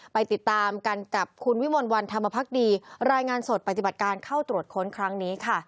ไปติดตามกันกับคุณวิมลวันธรรมพักดีรายงานสดปฏิบัติการเข้าตรวจค้นครั้งนี้ค่ะ